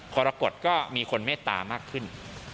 กรกฎก็มีคนเมตตามากขึ้น